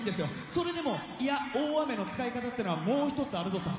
それでも大雨の使い方ってのはもう一つあるぞと。